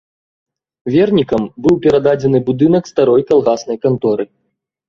Вернікам быў перададзены будынак старой калгаснай канторы.